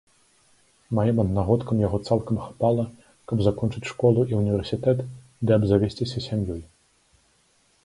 Маім аднагодкам яго цалкам хапала, каб закончыць школу і ўніверсітэт ды абзавесціся сям'ёй.